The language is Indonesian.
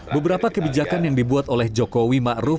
beberapa kebijakan yang dibuat oleh jokowi ma'ruf